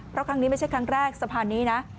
เพราะครั้งนี้ไม่ใช่ครั้งแรกสะพานนี้นะ